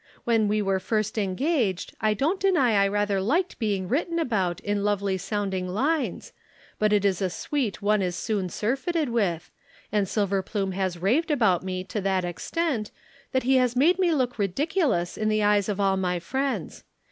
When we were first engaged, I don't deny I rather liked being written about in lovely sounding lines but it is a sweet one is soon surfeited with, and Silverplume has raved about me to that extent that he has made me look ridiculous in the eyes of all my friends.